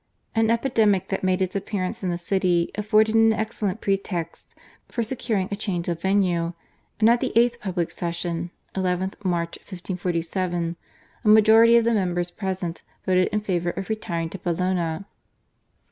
An epidemic that made its appearance in the city afforded an excellent pretext for securing a change of venue, and at the 8th public session (11th March 1547) a majority of the members present voted in favour of retiring to Bologna.